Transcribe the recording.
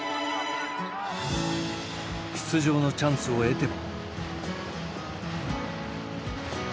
出場のチャンスを得ても。